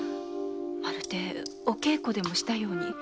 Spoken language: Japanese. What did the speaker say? まるでお稽古でもしたように。